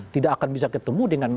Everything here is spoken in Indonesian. tidak akan bisa ketemu dengan